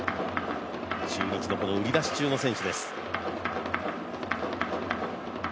中日の、売り出し中の選手です。